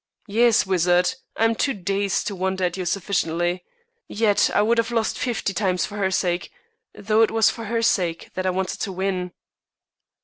"Yes, wizard. I am too dazed to wonder at you sufficiently. Yet I would have lost fifty times for her sake, though it was for her sake that I wanted to win."